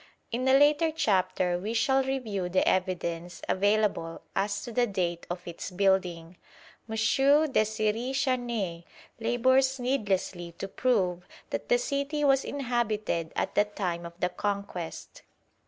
In a later chapter we shall review the evidence available as to the date of its building. M. Desiré Charnay labours needlessly to prove that the city was inhabited at the time of the Conquest.